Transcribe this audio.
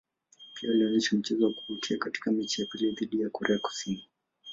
Pia alionyesha mchezo wa kuvutia katika mechi ya pili dhidi ya Korea Kusini.